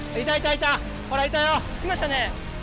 いましたね。